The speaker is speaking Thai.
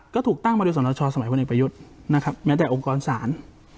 ก็ถูกตั้งมาโดยสนชสมัยพลเอกประยุทธ์นะครับแม้แต่องค์กรศาล